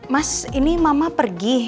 mas ini mama pergi